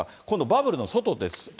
今度、バブルの外です。